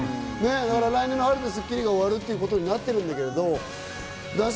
来年の春で『スッキリ』が終わるということになってるんだけれども、ダンス